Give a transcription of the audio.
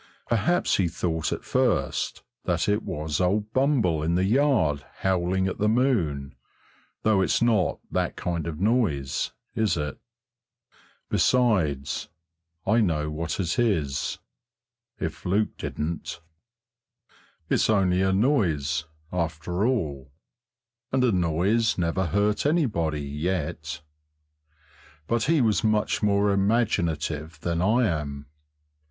Perhaps he thought at first that it was old Bumble in the yard howling at the moon, though it's not that kind of noise, is it? Besides, I know what it is, if Luke didn't. It's only a noise, after all, and a noise never hurt anybody yet. But he was much more imaginative than I am.